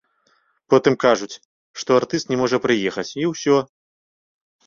Потым кажуць, што артыст не можа прыехаць і ўсё.